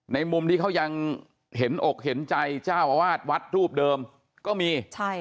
มุมที่เขายังเห็นอกเห็นใจเจ้าอาวาสวัดรูปเดิมก็มี